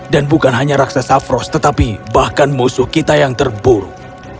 dan bukan hanya raksasa frost tetapi bahkan musuh kita yang terburuk